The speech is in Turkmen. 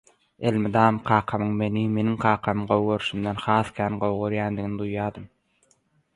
Elmydam kakamyň meni, meniň kakamy gowy görşünden has kän gowy görýändigini duýýardym.